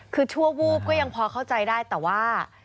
คือชั่ววูบก็ยังพอเข้าใจได้แต่ว่า